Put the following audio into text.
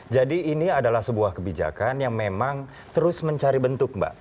jadi ini adalah sebuah kebijakan yang memang terus mencari bentuk mbak